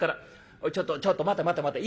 「おいちょっとちょっと待て待て待ていっいいんだ